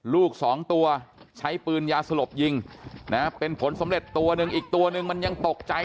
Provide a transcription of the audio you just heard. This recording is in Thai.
ลูกสองตัวใช้ปืนยาสลบยิงนะเป็นผลสำเร็จตัวหนึ่งอีกตัวนึงมันยังตกใจ